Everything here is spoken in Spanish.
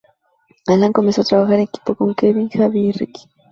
Alan comenzó a trabajar en equipo con Kevin, Javi y Ricky.